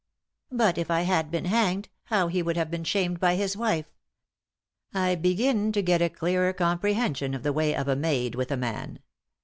"But if I had been hanged, how he would have been shamed by his wife !"" I begin to get a clearer comprehension of the way of a maid with a man.